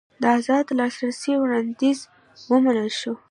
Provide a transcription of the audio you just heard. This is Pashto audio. د ازاد لاسرسي وړاندیز ومنل شو.